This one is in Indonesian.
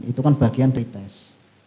itu kan bagian retest